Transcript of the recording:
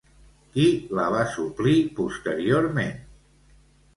Qui la va suplir posteriorment?